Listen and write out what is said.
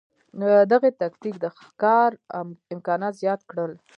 دغه تکتیک د ښکار امکانات زیات کړل.